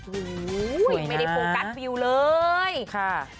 อุ้ยไม่ได้ผูกัดวิวเลยค่ะสวยนะ